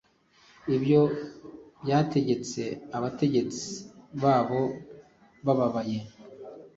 Ibyo byategetse abategetsi babo bababaye